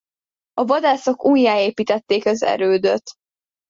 A Vadászok újjáépítették az erődöt.